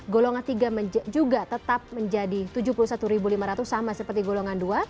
golongan tiga juga tetap menjadi tujuh puluh satu lima ratus sama seperti golongan dua